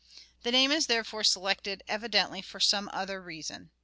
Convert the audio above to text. The name is therefore selected evidently for some other reason.